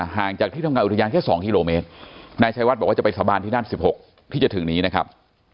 ห่างจากที่ทำงานอุทยานแค่๒กิโลเมตรนายชัยวัดบอกว่าจะไปสาบานที่นั่น๑๖ที่จะถึงนี้นะครับ